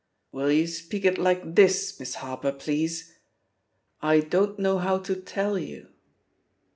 "WiQ you speak it like this. Miss Harper, please? *I don't know how to tell you.'